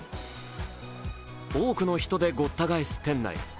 多くの人でごった返す店内。